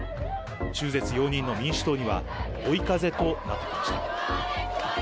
中絶容認の民主党には、追い風となっていました。